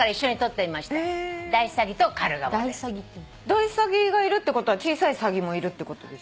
ダイサギがいるってことは小さいサギもいるってことでしょ？